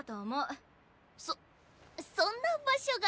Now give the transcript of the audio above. そそんな場所が。